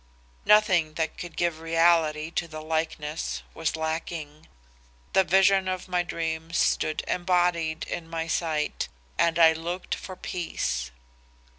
Nothing that could give reality to the likeness, was lacking; the vision of my dreams stood embodied in my sight, and I looked for peace.